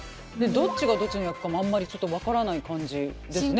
どっちがどっちの役かもあんまりちょっと分からない感じですね